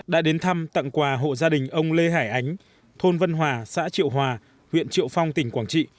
đã đến thăm tặng quà hộ gia đình ông lê hải ánh thôn vân hòa xã triệu hòa huyện triệu phong tỉnh quảng trị